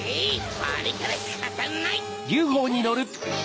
バレたらしかたない！